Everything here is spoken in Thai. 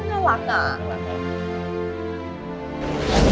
อื้มอุ๊ยน่ารักอ่ะ